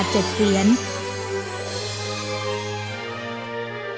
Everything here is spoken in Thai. บนชั้นชาลาที่สี่เป็นราวบันไดนาคจำแลนหน้าเทวดา๗เสียน